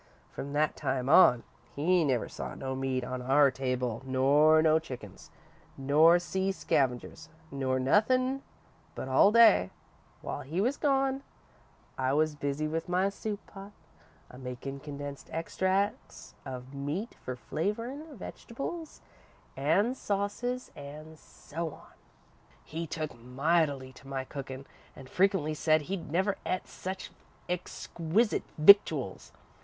From that time on, he never saw no meat on our table, nor no chickens, nor sea scavengers, nor nothin', but all day, while he was gone, I was busy with my soup pot, a makin' condensed extracts of meat for flavourin' vegetables an' sauces an' so on. "He took mightily to my cookin' an' frequently said he'd never et such exquisite victuals.